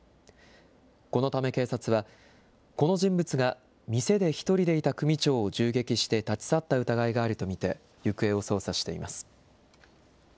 このため警察は、この人物が店で１人でいた組長を銃撃して立ち去った疑いがあると見て、行方を捜査しています。